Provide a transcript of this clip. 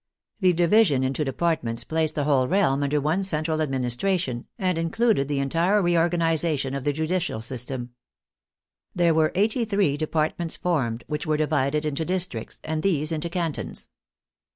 The di vision into departments placed the whole realm under one central administration, and included the entire reorganiza tion of the judicial system. There were eighty three de partments formed, which were divided into districts, and these into cantons.